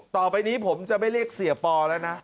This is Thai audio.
ต่อไปนี้ผมจะไม่เรียกเสียปอแล้วนะ